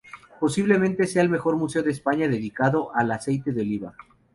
Posiblemente sea el mejor museo de España dedicado al aceite de oliva.